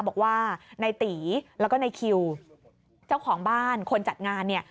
บอกว่าในตีแล้วก็ในคิวเจ้าของบ้านคนจัดงานเนี่ย